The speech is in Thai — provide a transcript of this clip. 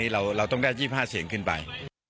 เราต้องได้๒๕เสียงขึ้นไป